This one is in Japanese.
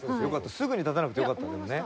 「すぐに立たなくてよかったけどね」